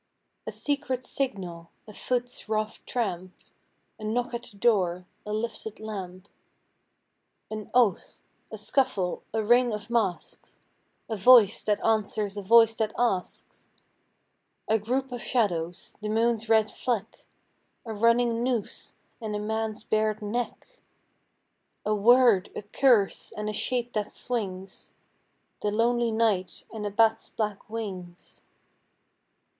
A secret signal; a foot's rough tramp; A knock at the door; a lifted lamp. An oath; a scuffle; a ring of masks; A voice that answers a voice that asks. A group of shadows; the moon's red fleck; A running noose and a man's bared neck. A word, a curse, and a shape that swings; The lonely night and a bat's black wings....